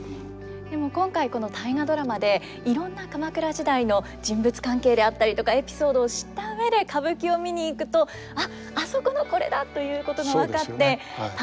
でも今回この「大河ドラマ」でいろんな鎌倉時代の人物関係であったりとかエピソードを知った上で歌舞伎を見に行くと「あっあそこのこれだ」ということが分かって楽しいでしょうね。